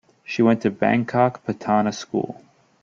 She went to Bangkok Patana School.